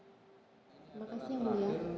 terima kasih yang mulia